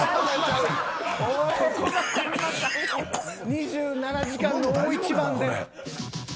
２７時間の大一番で。